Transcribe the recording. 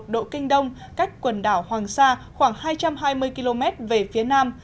một trăm một mươi một một độ kinh đông cách quần đảo hoàng sa khoảng hai trăm hai mươi km về phía nam